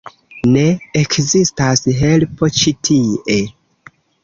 Ne ekzistas helpo ĉi tie.